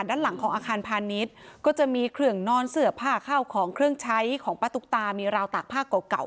ด้านหลังของอาคารพาณิชย์ก็จะมีเครื่องนอนเสื้อผ้าข้าวของเครื่องใช้ของป้าตุ๊กตามีราวตากผ้าเก่าเก่า